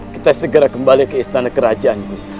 kita segera kembali ke istana kerajaan gus